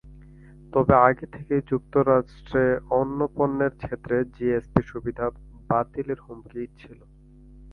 তবে আগে থেকেই যুক্তরাষ্ট্রে অন্য পণ্যের ক্ষেত্রে জিএসপি-সুবিধা বাতিলের হুমকি ছিল।